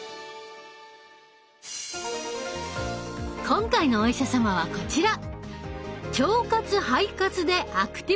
今回のお医者様はこちら。